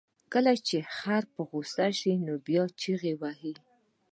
کله چې خر په غوسه شي، نو بیا چغې وهي.